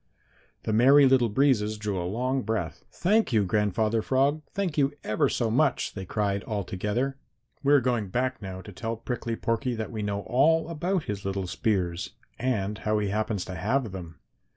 The Merry Little Breezes drew a long breath. "Thank you, Grandfather Frog, thank you ever so much!" they cried all together. "We are going back now to tell Prickly Porky that we know all about his little spears and how he happens to have them."